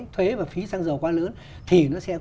thuế và phí xăng dầu quá lớn